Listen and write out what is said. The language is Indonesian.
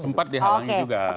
sempat dihalangi juga